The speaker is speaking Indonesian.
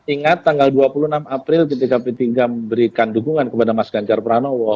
ingat tanggal dua puluh enam april ketika p tiga memberikan dukungan kepada mas ganjar pranowo